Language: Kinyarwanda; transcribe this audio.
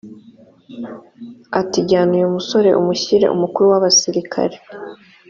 ati jyana uyu musore umushyire umukuru w abasirikare